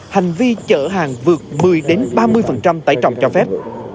hành vi chở hàng vượt một mươi ba mươi tải trọng cho phép